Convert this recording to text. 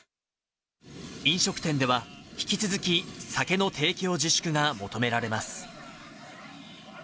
飲食店では引き続き酒の提供自粛が求められます。